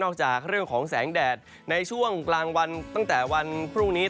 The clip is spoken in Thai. จากเรื่องของแสงแดดในช่วงกลางวันตั้งแต่วันพรุ่งนี้